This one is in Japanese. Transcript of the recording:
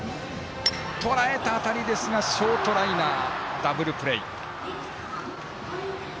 とらえた当たりですがショートライナーダブルプレー。